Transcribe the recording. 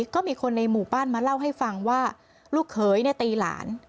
ก็มีคนในหมู่บ้านมาเล่าให้ฟังว่าลูกเขยตีหลาน